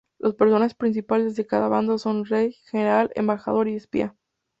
Los personajes principales de cada bando son rey, general, embajador y espía.